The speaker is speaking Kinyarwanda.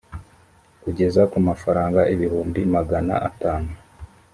kugeza ku mafaranga ibihumbi magana atanu